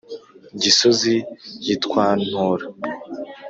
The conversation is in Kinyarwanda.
gisozi yitwantora